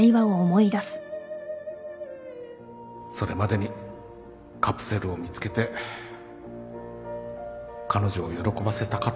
それまでにカプセルを見つけて彼女を喜ばせたかったんですけどね